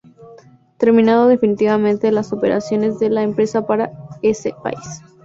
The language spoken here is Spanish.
Terminando definitivamente las operaciones de la empresa para ese país.